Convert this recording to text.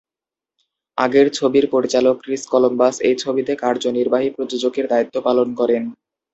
আগের ছবির পরিচালক ক্রিস কলম্বাস এই ছবিতে কার্যনির্বাহী প্রযোজকের দায়িত্ব পালন করেন।